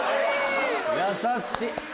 優しい。